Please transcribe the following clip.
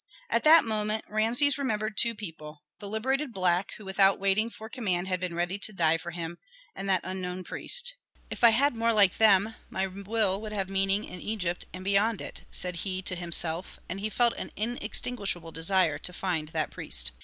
At that moment Rameses remembered two people, the liberated black who without waiting for command had been ready to die for him, and that unknown priest. "If I had more like them, my will would have meaning in Egypt and beyond it," said he to himself, and he felt an inextinguishable desire to find that priest.